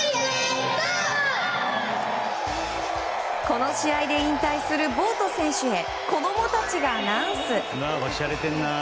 この試合で引退するボート選手へ子供たちがアナウンス。